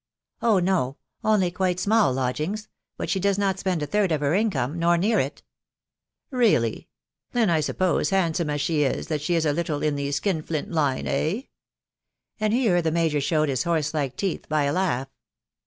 "Oh, ho ... .only quite *mall lodgings: but she does not spend a third *>f her income, nor near it." " Really ?.... then, I suppose, handsome fcs the is, that she is a little in tike skin flint line, en ?",.■.*... And here the major showed his horse like teeth by a laugfh.